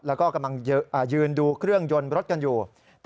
แล้วก็กำลังยืนดูเครื่องยนต์รถกันอยู่